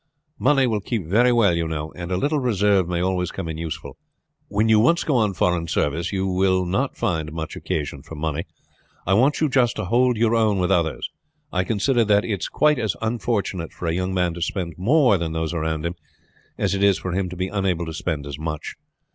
Money will keep very well, you know, and a little reserve may always come in useful. When you once go on foreign service you will not find much occasion for money. I want you just to hold your own with others. I consider that it is quite as unfortunate for a young man to spend more than those around him as it is for him to be unable to spend as much.